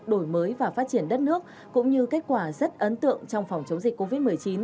đổi mới và phát triển đất nước cũng như kết quả rất ấn tượng trong phòng chống dịch covid một mươi chín